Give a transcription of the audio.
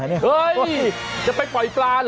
นี่จะไปปล่อยปลาเหรอ